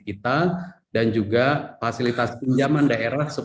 kita dan juga fasilitas pinjaman daerah